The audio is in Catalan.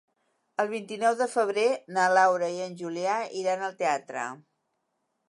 El vint-i-nou de febrer na Laura i en Julià iran al teatre.